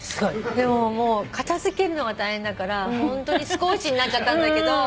でも片付けるのが大変だからホントに少しになっちゃったんだけど。